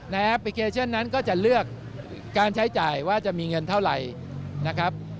แอปพลิเคชันนั้นก็จะเลือกการใช้จ่ายว่าจะมีเงินเท่าไหร่นะครับ